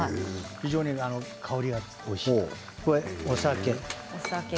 非常に香りがおいしいお酒。